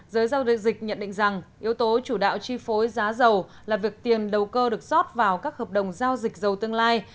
giới giao dịch nhận định rằng yếu tố chủ đạo chi phối giá dầu là việc tiền đầu cơ được rót vào các hợp đồng giao dịch dầu tương lai